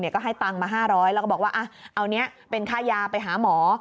ก็ให้ตังค์มา๕๐๐แล้วก็บอกว่าเอานี้เป็นค่ายาไปหาหมอ